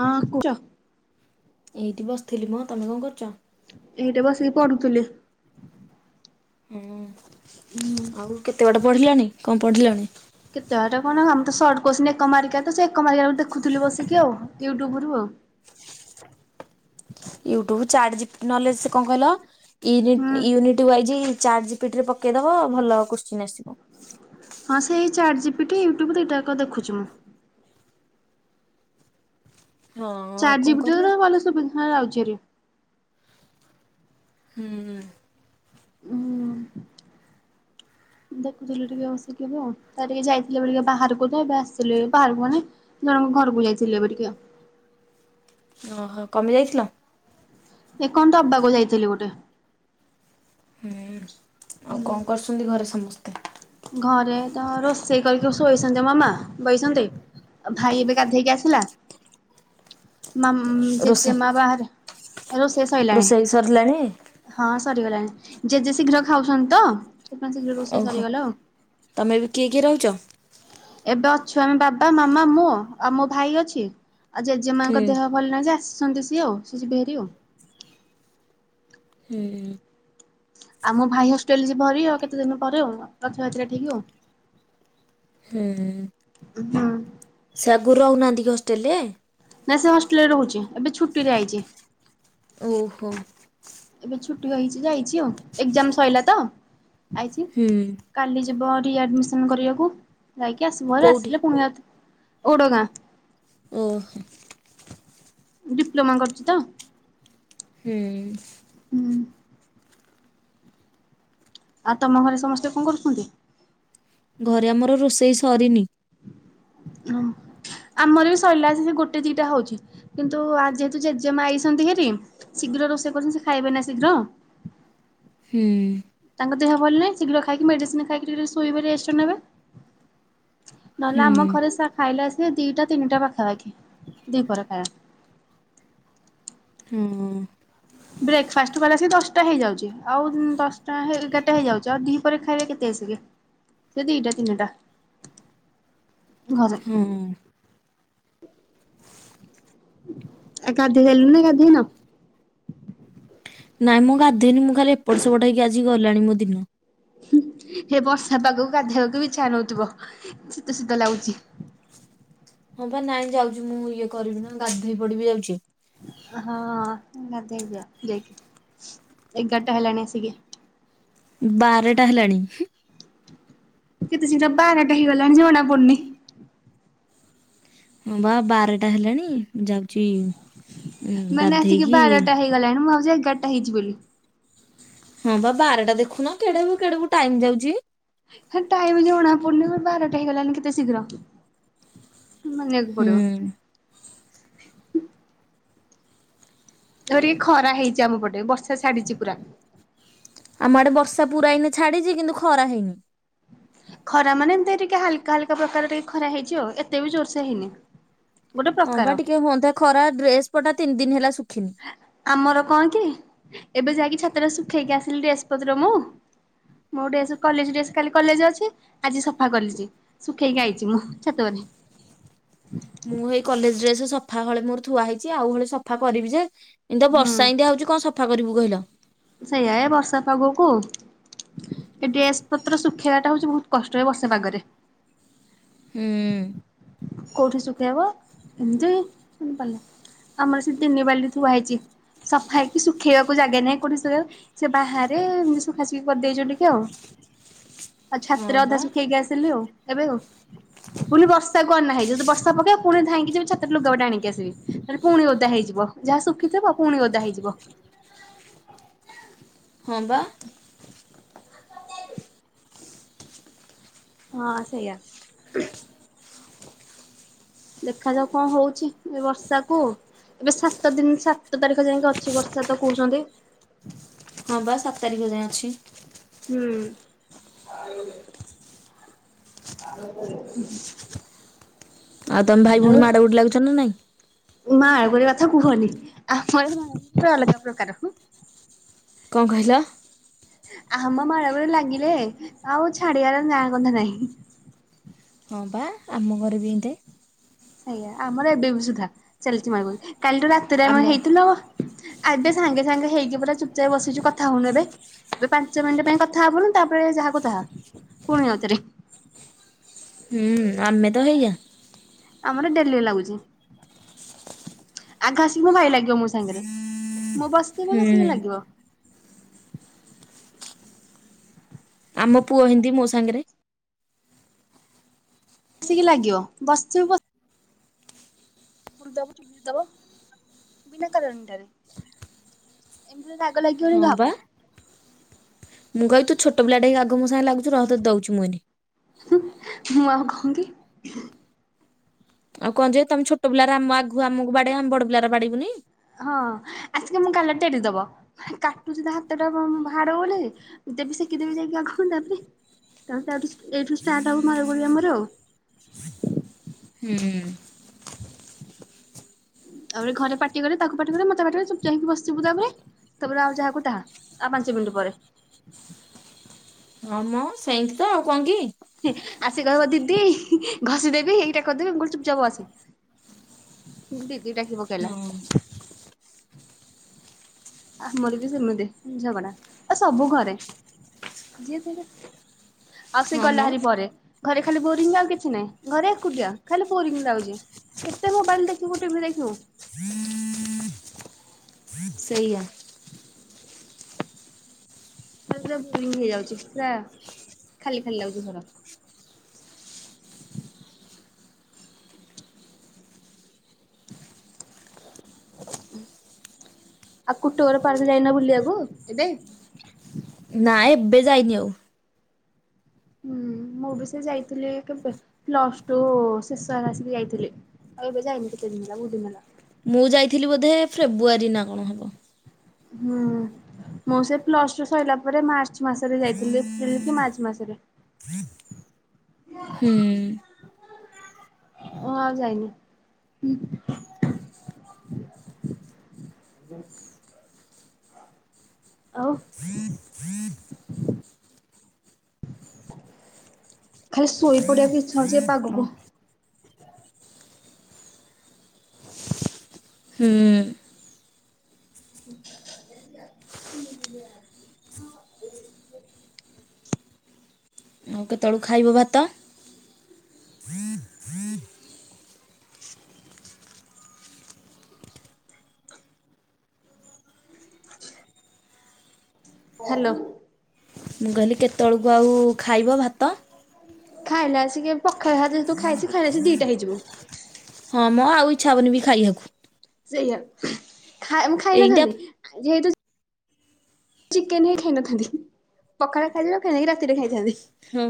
ହଁ କୁଚ ଏଇଠି ବସିଥିଲି ମଁ ତମେ କ'ଣ କରୁଛ? ଏଇଟା ବସିକି ପଢୁଥିଲେ। ହୁଁ ହୁଁ ଆଉ କେତେ ବାଟେ ପଢିଲାଣି। କ'ଣ ପଢିଲାଣି? କେତେବେଟା କ'ଣ ଆମ ତ ସର୍ଟ କହୁ ଏକମାରିକା ତ ସେ ଏକମାରିକାୁ ଦେୁ ବିକ ଆଉ ୟୁଟ୍ୟୁବ ରୁ ଆଉ। ୟୁଟ୍ୟୁବ ଚାଟ ନଲେଜ କ'ଣ ହୁଁ କହିଲୟନି ୟାଇଯ ଚାଟ ଜ ପିଠରେ ପକେଇଦବ ଭଲ କୁଚନ୍ ଆସିବ। ହଁ ସେଇ ଚଟ ଜପି ଟା ୟୁଟ୍ୟୁବ ଏଇଟା ଦେଖୁଛି ମୁଁ। ହଁ ଆଉ ଚାରି କଣ ଜିବି କରିବା? ଟ ଭଲ ସୁବିଧ ଯାଉଛି। ହୁଁ ହୁଁ ଦେଖୁଥିଲୁ ଟିକେ ବସିକିବ ଆଉ ତା ଟିକେ ଯାଇଥିଲେ। ବ ଟିକେ ବାହାରକୁ ତ ଏବେ ଆସିଥିଲେ ବାହାରକୁ ମାନେ ଜଣଙ୍କ ଘରକୁ ଯାଇଥିଲି ଏବେ ଟିକେ। ଓହୋ କମି ଯାଇଥିଲ। ଏ କ'ଣ ତବବାକୁ ଯାଇଥିଲି ଗୋଟେ। ହୁଁ ଆଉ କ'ଣ କରୁଛନ୍ତି? ଘରେ ସମସ୍ତେ ଘରେ ତ ରୋଷେଇ କରିକି ଶୋଇଛନ୍ତି। ମାମା ବହିସଛନ୍ତି। ଭାଇ ଏବେ ଗାଧେଇକି ଆସିଲା। ମା ରୋଷେଇ ଜେଜେମା ବାହହାର ରୋଷେଇ ସୋଇଲାଣି। ରୋଷେଇ ସରିଲାଣି? ହଁ ସରିଗଲାଣି ଜେଜେ ଶୀଘ୍ର ଖାଉଛନ୍ତି ତ ସେଣ ଶୀଘ୍ର ରୋଷେଇ ସରିଗଲା ଆଉ। ତୁମେ ବି କିଏ କିଏ ରହୁଛ? ଏବେ ଅଛୁ ଆମେ ବାବା ମାମା ମୁଁ ଆଉ ମୋ ଭାଇ ଅଛି ଆଉ ହୁଁ ଜେଜେମାଙ୍କ ଦେହ ଭଲ ନାହିଁ ଯେ ଆସିଛନ୍ତି। ସିଏ ଆଉ ସି ଯି ହେହାରରି ଆଉ ହୁଁ ହୁଁ ଆଉ ମୋ ଭାଇ ହଷ୍ଟେଲରେ ଯିବ ଭରି ଆଉ କେତେ ଦିନ ପରେ ଆଉ ରଥଯତି୍ରା ଠିକ ଆଉ ହୁଁ ହଁ ସାଗରୁ ରହୁନାହାନ୍ତି କି ହଷ୍ଟେଲ ରେ। ନାଇଁ ସେ ହଷ୍ଟେଲ ରେ ରହୁଛି ଏବେ ଛୁଟି ରେ ଆଇଛି। ଓହୋ। ଏବେ ଛୁଟି ହେଇଛି ଯାଇଛି ଆଉ ଏକ୍ଜାମ ସରିଲା ତ ଆଇଛି। ହୁଁ କାଲି ଯିବ ରିଆଡ଼ମିସନ୍ କରିବାକୁ ଯାଇକି ଆସିବ ଆରେ କୋଉଠି? ଆସିଲେ ପୁଣି ଓଡ଼ଗାଁ। ଓହୋ। ଡିପ୍ଲୋମା କରୁଛି ତ। ହୁଁ। ହୁଁ ଆଉ ତମ ଘରେ ସମସ୍ତେ କ'ଣ କରୁଛନ୍ତି? ଘରେ ଆମର ରୋଷେଇ ସରିନି। ଆମର ବି ସଇଲା ସେ ଗୋଟେ ଦିଟା ହଉଛି। କିନ୍ତୁ ଆଜି ଯେହେତୁ ଜେଜେମା ଆଇଛନ୍ତି ହେରି ଶୀଘ୍ର ରୋଷେଇ କରୁଛନ୍ତି ସେ ଖାଇବେ ନା ଶୀଘ୍ର। ହୁଁ। ତାଙ୍କ ଦେହ ଭଲନାହିଁ ଶୀଘ୍ର ଖାଇକି ମେଡ଼ିସିନ ଖାଇକି ଟିକେ ଶୋଇବ ରେଷ୍ଟ ନେବେ। ନହେଲେ ହୁଁ ଆମ ଘରେ ସ ଖାଇଲା ଆସିକି ଦିଟା ତିନିଟା ପାଖାପାଖି ଦିପହରେ ଖାଇବା। ହୁଁ ବ୍ରେକଫାଷ୍ଟ କଲାସି ଦଶଟା ହେଇଯାଉଛି ଆଉ ଦଶଟା ଏଗାରଟା ହେଇଯାଉଛି ଆଉ ଦି ପରେ ଖାଇଲେ କେତେ ଆସିକି। ସେ ଦିଟା ତିନିଟା ଘରେ ହଁ। ଆ ଗାଧେଇ ସାଇଲୁନି ନା ଗାଧେଇନୁ? ନାଇଁ ମୁଁ ଗାଧୋଇନି ମୁଁ ଖାଲି ଏପଟ ସେପଟ ହେକି ଆଜିି ଗଲାଣି ମୋ ଦିନ। ହେ ବର୍ଷା ପାଗକୁ ଗାଧେଇବାକୁ ବି ଇଛା ହୋଉନଥିବ ଶୀତ ଶୀତ ଲାଗୁଛି। ହଁ ବା ନାଇଁ ଯାଉଛି ମୁଁ ଇଏ କରିବି ନା ଗାଧେଇ ପଡିିବି ଯାଉଚି। ହଁ ହେଇଯ ଯାଇକି ଏ ଘଣ୍ଟା ହେଲାଣି ସଗ ବାରଟା ହେଲାଣି। କେତେ ଶୀଘ୍ର ବାରଟା ହେଇଗଲାଣି ଜଣାପଡୁନି ହଁ ବା ବାରଟା ହେଲାଣି ଯାଉଛି। ଉଁ ମାନେ ଆସିକି ଗାଧେଇକି ବାରଟା ହେଇଗଲାଣି ମୁଁ ଭାବୁଚି ଏଗାରଟା ହେଇଛି ବୋଲି। ହଁ ବା ବାରଟା ଦେଖୁନ କେଡକୁ କେଡକୁ ଟାଇମ ଯାଉଛି। ହେ ଟାଇମ ଜଣା ପଡୁନି ବାରଟା ହେଇ ଗଲାଣି କେତେ ଶୀଘ୍ର ମାନିବାକୁ ପଡିବ। ହୁଁ। ଧର ଖରା ହେଇଛି ଆମ ପଟେ ବର୍ଷା ଛାଡିଛି ପୁରା। ଆମ ଆଡ଼େ ବର୍ଷା ପୁରା ଏନେ ଛାଡ଼ିଛି କିନ୍ତୁ ଖରା ହେଇନି। ଖରା ମାନେ ଏମିତି ଟିକେ ହାଲକା ହାଲକା ପ୍ରକାର ଟିକେ ଖରା ହେଇଛି ଆଉ ଏତେ ବି ଜୋରସ ହେଇନି। ଗୋଟେ ହଁ ପ୍ରକାର ବା ଟିକେ ହୁଅନ୍ତା ଖରା ଡ୍ରେସ ପଟା ତିନି ଦିନ ହେଲା ଶୁଖିନି। ଆମର କଣ କି ଏବେ ଯାଇକି ଛାତଟା ଶୁଖେଇକି ଆସିଲି ଡ୍ରେସ ପତର ମୁଁ। ମୋ ଡ୍ରେସ କଲେଜ ଡେସ୍ କାଲି କଲେଜ ଅଛି ଆଜି ସଫା କଲିଛି। ଶୁଖେଇକି ଆଇଚି ମୁଁ ଛାତପରେ। ମୁଁ ଏଇ କଲେଜ ଡ୍ରେସ ସଫା ହଳେ ମୋର ଥୁଆ ହେଇଚି ଆଉ ହଳେ ସଫା କରିବି ଯେ ଯୋଉ ହୁଁ। ବର୍ଷା ଏନ୍ତିଆ ହଉଛି କଣ ସଫା କରିବୁ କହିଲ? ସେଇଆ ଏ ବର୍ଷା ପାଗକୁ ଏ ଡ୍ରେସ ପତ୍ର ଶୁଖେଇବା ଟା ହଉଛି ବହୁତ କଷ୍ଟରେ ବର୍ଷା ପାଗରେ। ହୁଁ। କୋଉଠି ଶୁଖେଇବ ଏମିତି ଆମର ସେ ତିନି ବାଲ୍ଟି ଥୁଆ ହେଇଛି। ସଫା ହେକି ଶୁଖେଇବାକୁ ଜାଗା ନାଇଁ କୋଉଠି ସୁଖେଇବ? ସେ ବାହାରେ ଏମତି ସୁଖାସୁଖି କରିଦେଇଚୁ ଟିକେ ଆଉ। ଆ ହଁ ଛାତରେ ଅଧା ବା ଶୁଖେଇକି ଆସିଲି ଆଉ ଏବେ ଆଉ ବୁଲି ବର୍ଷା କନାହିଁ ଯଦି ବର୍ଷା ପକେଇବ ପୁଣି ଧାଇଁକି ଯିବି ଛାତରେ ଲୁଗାପଟା ଆଣିକି ଆସିବି ତାପରେ ପୁଣି ଓଦା ହେଇଯିବ। ଯାହା ଶୁଖିଥିବ ପୁଣି ଓଦା ହେଇଯିବ। ହଁ ବା। ହଁ ସେଇଆ। ଦେଖାଯାଉ କଣ ହଉଛି ଏ ବର୍ଷାକୁ ଏବେ ସାତ ଦିନ ସାତ ତାରିଖ ଯାଇକି ଅଛି ବର୍ଷା ତ କହୁଛନ୍ତି। ହଁ ବା ସାତ ତାରିଖ ଯାଏଁ ଅଛି। ହୁଁ ଉଁ। [unintelligible] ଆଉ ତମେ ଭାଇ ଭଉଣୀ ମାଡ ଗୋଡ଼ ଲାଗୁଛ ନା ନାଇଁ? ମାଡ଼ ଗୋଳି କଥା କୁହନି [unintelligible] ଅଲଗା ପ୍ରକାର କଣ କହିଲ? ଆମ ମାଳଗୋଳ ଲାଗିଲେ ଆଉ ଛାଡିବାର ନାଁ ଗନ୍ଧ ନାହିଁ। ହଁ ପା ଆମ ଘରେ ବି ଏନ୍ତେ ସେଇଆା ଆମର ଏବେ ବି ସୁଧା ଚାଲିଛି ମାଡ଼ଗୋଳ କାଲିଠୁ ରାତିରେ ଆମେ ଆମର ହେଇଥିଲୁ। ଏବେ ସାଙ୍ଗେ ସାଙ୍ଗେ ହେଇକି ପୁରା ଚୁପ୍ ଚାପ ବସିଛୁ କଥା ହଉନୁ ଏବେ। ଏବେ ପାଞ୍ଚ ମିନିଟ ପାଇଁ କଥା ହବୁନୁ ତାପରେ ଯାହାକୁ ତାହା ପୁଣି ଆଉଥରେ। ହୁଁ ଆମେ ତ ହେଇୟା। ଆମର ଡ଼େଲି ଲାଗୁଛି। ଆଗ ଆସିକି ମୋ ଭାଇ ଲାଗିବ ମୋ ସାଙ୍ଗରେ ମୁଁ ବସିଥିବି ହୁଁ ଆସିକି ଲାଗିବ। ଆମ ପୁଅ ହିନ୍ତି ମୋ ସାଙ୍ଗେରେ। ଆସିକି ଲାଗିବ ବସିଥିବୁ ବସି ପୁଡ଼ି ଦବ ଚିମିଡ଼ି ଦବ ବିନା କାରଣଟାରେ। ଏମିତିରେ ରାଗ ଲାଗିବନି ହଁ ବା। କାହାକୁ? ମୁଁ କହିିବି ତୁ ଛୋଟ ପିଲାଟେ ହେଇକି ଆଗ ମୋ ସାଙ୍ଗରେ ଲାଗୁଛୁ ରହ ତତେ ଦଉଚି ମୁଁ ଏଇନେ। ମୁଁ ଆଉ କଁ କି? ଆଉ କଁ ଯେ ତମେ ଛୋଟ ପିଲାରା ଆମ ଆଗୁ ଆମକୁ ବାଡ଼େଇବ ଆମ ବଡ଼ ପିଲାରା ବାଡ଼େଇବୁନି? ହଁ ଆସିକି ମୋ ଗାଲରେ ଟେଡ଼ି ଦବ। କାଟୁଚି ତା ହାତଟା ହାଡ଼େ ବୋଲି ଦେବି ସେକି ଦେବି ଯାଇକି ଆଗ ତାପରେ। ତାପରେ ତାଠୁ ଏଇଠୁ ଷ୍ଟାର୍ଟ ହବ ମାରଗୋଳି ଆମର ଆଉ। ହୁଁ। ତାପରେ ଘରେ ପାଟି କରିବେ ତାକୁ ପାଟି କରିବେ ମତେ ପାଟି କରିବେ ଚୁପ୍‌ଚାପ ହେଇକି ବସିିବୁ ତାପରେ। ତାପରେ ଆଉ ଯାହାକୁ ତାହା ଆଉ ପାଞ୍ଚ ମିଣ୍ଟି ପରେ। ହଁ ମ ସେଇନ୍ତି ତ ଆଉ କଁ କି? ଆସି କହିବ ଦିଦି ଘଷି ଦେବି ଏଇଟା କରି ଦେବି ମୁଁ କହିବି ଚୁପ୍ ଚାପେ ବସେ। ଦିଦି ଡ଼ାକି ପକେଇଲା। ଆମର ବି ସେମିତି ଝଗଡ଼ା ଆ ସବୁ ଘରେ। ଯିଏ ସେଟା ଆଉ ସେ ହଁ ମ ଗଲା ହାରିି ପରେ। ଘରେ ଖାଲି ବୋରିଂ ଆଉ କିଛି ନାଇଁ ଘରେ ଏକୁଟିଆ ଖାଲି ବୋରିଂ ଲାଗୁଚି। କେତେ ମୋବାଇଲ ଦେଖିବୁ ଟିଭି ଦେଖିବୁ? ସେଇଆ। ପୁରା ପୁରା ବୋରିଙ୍ଗ ହେଇଯାଉଛି ପୁରା ଖାଲି ଖାଲି ଲାଗୁଚି ଘର। ଆଉ କୁଟଘର ପାର୍କ ଯାଇନ ବୁଲିବାକୁ ଏବେ? ନାଁ ଏବେ ଯାଇନି ଆଉ। ହୁଁ ମୁଁ ବି ସେ ଯାଇଥିଲି କେବେ ପ୍ଲସ ଟୁ ଶେଷ ହେ ଆସିକି ଯାଇଥିଲି। ଆଉ ଏବେ ଯାଇନି କେତେ ଦିନି ହେଲା ବହୁତ ଦିନ ହେଲା। ମୁଁ ଯାଇଥିଲି ବୋଧେ ଫ୍ରେବୃୟାରୀ ନା କଣ ହବ। ହୁଁ। ମୁଁ ସେ ପ୍ଲସ ଟୁ ସଇଲା ପରେ ମାର୍ଚ୍ଚ ମାସରେ ଯାଇଥିଲି ଏପ୍ରିଲ କି ମାର୍ଚ୍ଚ ମାସରେ। ହୁଁ। ଓ ଆଉ ଯାଇନି। ଆଉ ଖାଲି ଶୋଇ ପଡ଼ିବାକୁ ଇଚ୍ଛା ହଉଛି ଏ ପାଗକୁ। ହୁଁ। [unintelligible] ଆଉ କେତେବେଳୁ ଖାଇବ ଭାତ? ହ୍ୟାଲୋ। ମୁଁ କହିଲି କେତେବେଳକୁ ଆଉ ଖାଇବ ଭାତ? ଖାଇଲା ଆସିକି ପଖାଳ ହାତ ଯେତୁ ଖାଇଚି ଖାଇଲା ଆସି ଦିଟା ହେଇଯିବ। ହଁ ମ ଆଉ ଇଚ୍ଛା ହବନି ବି ଖାଇବାକୁ। ସେଇଆ ଖା ମୁ ଖାଇ ଏଇଟା ନଥାନ୍ତି ଯେହେତୁ ଚିକେନ ହିଁ ଖାଇ ନଥାନ୍ତି ପଖାଳ ଖାଇ ଖାଇଦେଇକି ରାତିରେ ଖାଇଥାନ୍ତି। ହଁ।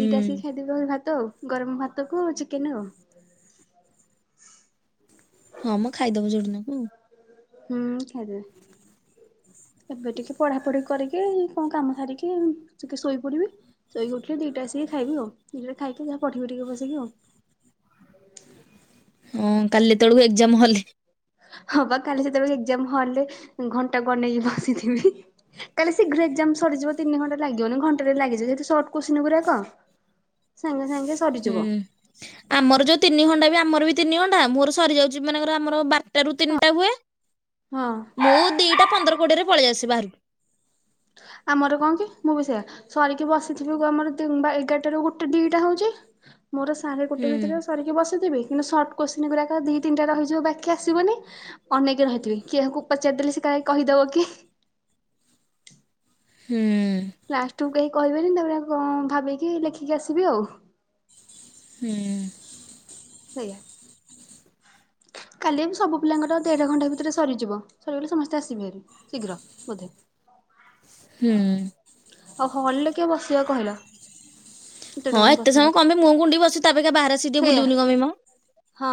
ଦିଟା ଆସିକି ଖାଇଦେବି ଆଉ ଭାତ ଆଉ ଗରମ ଭାତକୁ ଆଉ ଚିକେନ ଆଉ। ହଁ ମୁଁ ଖାଇଦବ ଯୋଡନାକୁ। ହୁଁ ଖଇଦେବି। ଏବେ ଟିକେ ପଢାପଢି କରିକି କଣ କାମ ସାରିକି ଟିକେ ଶୋଇପଡିବି। ଶୋଇକି ଉଠିଲେ ଦିଟା ଆସି ଖାଇବି ଆଉ ଦିଟାରେ ଖାଇକି ଯାହା ପଢିବି ଟିକେ ବସିକି ଆଉ। ହଁ କାଲି ଏତେବେଳକୁ ଏକ୍ଜାମ ହଲ ରେ। ହଁ ବା କାଲି ସେତେବେଳେ ଏଗ୍ଜାମ୍ ହଲରେ ଘଣ୍ଟାକୁ ଅନେଇ ବସିଥିବି। କାଲି ଶୀଘ୍ର ଏକ୍ଜାମ ସରିଯିବ ତିନି ଘଣ୍ଟା ଲାଗିବନି ଘଣ୍ଟାଟେ ଲାଗିଯିବ ଯେହେତୁ ସର୍ଟ କୋଶ୍ଚିନ୍ ଗୁରାକ। ସାଙ୍ଗେ ସାଙ୍ଗେ ହୁଁ। ସରିଯିବ। ଆମର ଯୋଉ ତିନି ଘଣ୍ଟା ବି ଆମର ବି ତିନି ଘଣ୍ଟା ମୋର ସରିଯାଉଛି ମନେକର ଆମର ବାର୍ ଟାରୁ ତିନଟା ହୁଏ। ହଁ। ମୁଁ ଦି ଟା ପନ୍ଦର କୋଡ଼ିଏରେ ପଳେଇ ଆସେ ବାହାରକୁ। ଆମର କଣ କି ମୁଁ ବି ସେଇୟା। ସରିକି ବସିଥିବେ ଗ ଆମର ଦି ବା ଏଗାରଠାରୁ ଗୋଟେ ଦିଟା ହଉଛି। ମୋର ସାଢ଼େ ଗୋଟେ ହୁଁ ଭିତରେ ସରିକି ବସିଥିବି କିନ୍ତୁ ସର୍ଟ କୋଶ୍ଚିନ୍ ଗୁରାକ ଦି ନି ଟା ରହିଯିବ ବାକି ଆସିବନି। ଅନେଇକି ରହିଥିବି କିଏ କୁ ପଚାରଦେଲେ ସେ କାଳେ କହିଦବ କି? ହୁଁ। ଲାଷ୍ଟକୁ କେହି କହିବେନି ତାପରେ କଣ ଭାବିକି ଲେଖିକି ଆସିବି ଆଉ। ହୁଁ। ସେଇୟା। କାଲି ସବୁ ପିଲାଙ୍କର ଦେଢ଼ ଘଣ୍ଟା ଭିତରେ ସରିଯିବ ସରିଗଲେ ସମସ୍ତେ ଆସିବେ। ଶୀଘ୍ର ବୋଧେ। ହୁଁ। ଆଉ ହଲରେ କିଏ ବସିବ କହିଲ। ହଁ ଟାଇମ ଏତେ ବସିକି ସମୟ କଣ ପାଇଁ ମୁହଁ କୁ ଉଣ୍ଡିବସି ତା ଅପେକ୍ଷା ବାହାରେ ଆସି ଟିକେ ସେଇଆ ବୁଲିବୁନି କଣ ପାଇଁ ମ। ହଁ।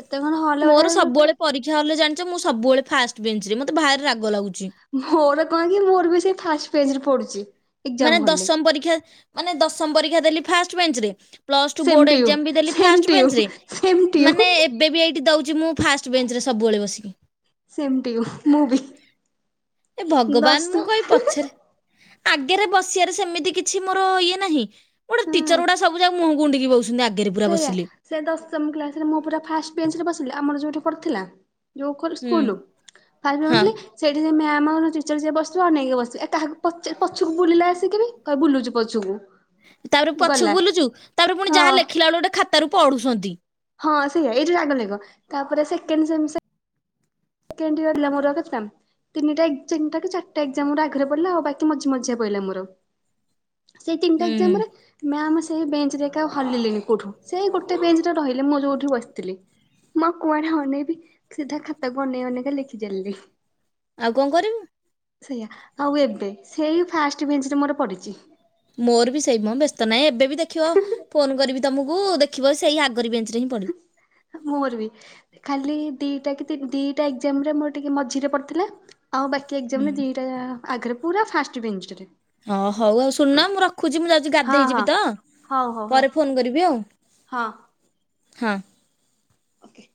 ଏତେ କଣ ହ ମୋର ସବୁବେଳେ ପରୀକ୍ଷା ହଲ ରେ ଜାଣିଛ ମୁଁ ସବୁବେଳେ ଫାଷ୍ଟ ବେଞ୍ଚ ରେ ମତେ ଭାରି ରାଗ ଲାଗୁଛି। ମୋର କଣ କି ମୋର ବି ସେ ଫାଷ୍ଟ ପେଜ୍ରେ ପଡୁଛି। ଏକ୍ଜାମ ମାନେ ହଲରେ ଦଶମ ପରୀକ୍ଷା ମାନେ ଦଶମ ପରୀକ୍ଷା ଦେଲି ଫାଷ୍ଟ ବେଞ୍ଚ ରେ। Plus two same board you exam ବି ଦେଲି same first to you bench ରେ ସେମ୍ ଟୁ ୟୁ। ମାନେ ଏବେ ବି ଏଇଠି ଦଉଛି ମୁଁ ଫାଷ୍ଟ ବେଞ୍ଚ ରେ ସବୁବେଳେ ବସିକି। ସେମ ଟୁ ୟୁ ମୁଁ ବି ଏ ଭଗବାନ ଦଶମ ହି ହି ଆଗେରେ ବସିବାରେ ସେମିତି କିଛି ମୋର ଇଏ ନାହିଁ ଗୋଟେ ଟିଚର ଗୁଡା ସବୁ ଯାକ ମୁହଁ କୁ ଉଣ୍ଡିକି ବହୁଛନ୍ତି ଆ ସେଇଆା ସେ ଦଶମ୍ କ୍ଲାସ୍ ରେ ମୁଁ ପୁରା ଫାଷ୍ଟ ବେଞ୍ଚ ରେ ବସିଲି ଆମର ଯୋଉଠି ପଢ଼ିଥିଲା। ଯୋଉ ଖୋ ହୁଁ। ସ୍କୁଲ ହଁ ସେଇଠି ସେ ମ୍ୟାାମ ଆଉ ଟିଚର୍ ଯିଏ ବସଥିବ ଅନେଇକି ବସିଥିବ ଏ କାହାକୁ ପଚ୍ ପଛକୁ ବୁଲିଲେ ଆସିକି ବି କହିବ ବୁଲୁଛୁ ପଛୁକୁ। ତାପରେ ପଛକୁ ବୁଲୁଛୁ ତାପରେ ପୁଣି ହଁ ଯାହା ଲେଖିଲା ବେଳୁ ଗୋଟେ ଖାତାରୁ ପଢୁଛନ୍ତି। ହଁ ସେଇଆ ଏଇ ଯୋ ରାଗ ଲାଗିବ ତାପରେ ସେକଣ୍ଡ ସେମିଷ୍ଟର। [unintelligible] ତିନିଟା ଏକ୍ଜାମ ଟାକୁ ଚାରିଟା ଏକ୍ଜାମ ମୋର ଆଗରେ ପଡିଲା। ଆଉ ବାକି ମଝି ମଝିଆ ପଇଲା ମୋର। ସେଇ ତିନିଟା ହୁଁ। ଏକ୍ଜାମ ରେ ମ୍ୟାମ ସେଇ ବେଞ୍ଚରେ ଏକା ହଲିଲେନି କୋଉଠୁ ସେଇ ଗୋଟେ ବେଞ୍ଚରେ ରହିଲେ ମୁଁ ଯୋଉଠି ବସିଥିଲି। ମୁଁ ଆଉ କୁଆଡେ ଅନେଇବି ସିଧା ଖାତାକୁ ଅନେଇ ଅନେଇ କା ଲେଖି ଚାଲିଲି। ଆଉ କଣ କରିବୁ? ସେଇଆ ଆଉ ଏବେ ସେଇ ଫାଷ୍ଟ ବେଞ୍ଚରେ ମୋର ପଡିଛି। ମୋର ବି ସେଇ ମ ବ୍ୟସ୍ତ ନାହିଁ ଏବେ ବି ଦେଖିବ ଫୋନ କରିବି ତମକୁ ଦେଖିବ ସେଇ ଆଗରି ବେଞ୍ଚ। ରେ ହିଁ ପଡ଼ିବ। ମୋର ବି। ଖାଲି ଦିଟା କି ତି ଦିଟା ଏକ୍ଜାମରେ ମୋର ଟିକେ ମଝିରେ ପଡ଼ିଥିଲା। ଆଉ ବାକି କି ହୁଁ। ଦିଟା ଆଗରେ ପୁର ଫାଷ୍ଟ ବେଞ୍ଚରେ। ହଁ ହଉ ଆଉ ଶୁଣନ ମୁଁ ରଖୁଛି ମୁଁ ଯାଉଛି ହଁ ହଁ ଗାଧେଇଯିବି ତ। ହଉ ହଉ ପରେ ଫୋନ ରଖିଦଉଛି କରିବି ଆଉ ହଁ। ଓକେ।